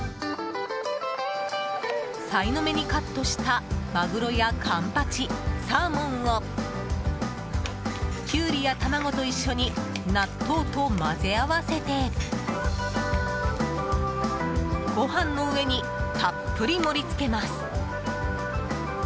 さいの目にカットしたマグロやカンパチ、サーモンをキュウリや卵と一緒に納豆と混ぜ合わせてご飯の上にたっぷり盛り付けます。